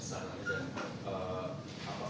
berapa sih besar lagi